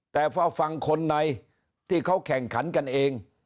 แต่พอฟังคนในที่เขาแข่งขันกันเอง